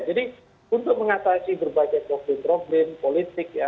jadi untuk mengatasi berbagai problem problem politik ya